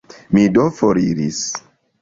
Mi do foriris.